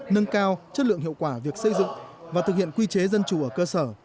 nâng cao chất lượng hiệu quả việc xây dựng và thực hiện quy chế dân chủ ở cơ sở